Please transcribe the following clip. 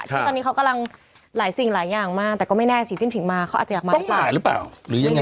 ที่ตอนนี้ก็กำลังมีหลายสิ่งหลายอย่างมาแต่ก็ไม่แน่สีติ้มผินมาเขาอาจจะอยากมารึเปล่า